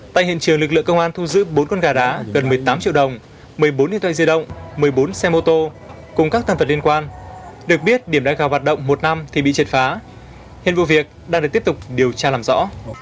tại hiện trường lực lượng công an thu giữ bốn con gà đá gần một mươi tám triệu đồng một mươi bốn điện thoại di động một mươi bốn xe mô tô cùng các tham vật liên quan được biết điểm đá gà hoạt động một năm thì bị triệt phá hiện vụ việc đang được tiếp tục điều tra làm rõ